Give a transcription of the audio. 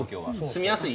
住みやすい？